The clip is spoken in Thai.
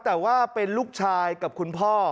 แต่ว่าเป็นลูกชายกับคุณพ่อ